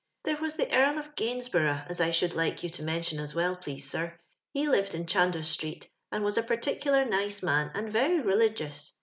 " There was the Earl of Gakisborough as I should like yon to mention as well, please sir. Pie lived in Cbandos street, and was a par ticulhr nice man and very religious.